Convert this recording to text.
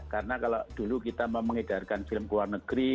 karena kalau dulu kita mengedarkan film ke luar negeri